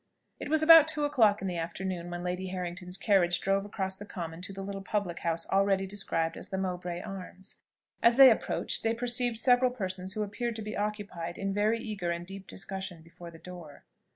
It was about two o'clock in the afternoon when Lady Harrington's carriage drove across the common to the little public house already described as the Mowbray Arms. As they approached, they perceived several persons who appeared to be occupied in very eager and deep discussion before the door.